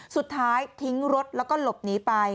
สุดท้ายทิ้งรถแล้วก็หลบหนีไป